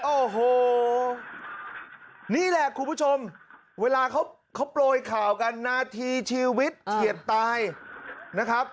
โอ้โหนี่แหละคุณผู้ชมเวลาเขาโปรยข่าวกันนาทีชีวิตเฉียดตายนะครับ